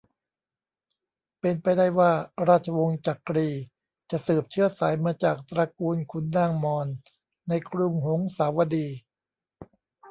เป็นไปได้ว่า ราชวงศ์จักรีจะสืบเชื้อสายมาจากตระกูลขุนนางมอญในกรุงหงสาวดี